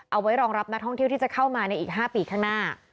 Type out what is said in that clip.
เอาไว้รองรับนักท่องเที่ยวที่จะเข้ามาในอีก๕ปีข้างหน้า